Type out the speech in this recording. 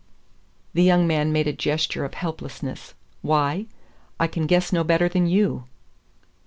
The young man made a gesture of helplessness. "Why? I can guess no better than you."